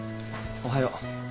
おはよう。